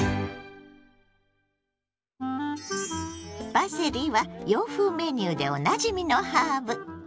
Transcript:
パセリは洋風メニューでおなじみのハーブ。